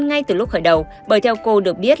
ngay từ lúc khởi đầu bởi theo cô được biết